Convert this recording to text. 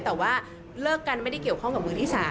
แต่ว่าเลิกกันไม่ได้เกี่ยวข้องกับมือที่๓